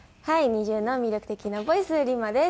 ＮｉｚｉＵの魅力的なボイスＲＩＭＡです。